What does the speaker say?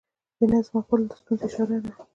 بې نظم غول د ستونزې اشاره ده.